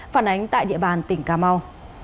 phản ánh tại địa bàn tỉnh cà mau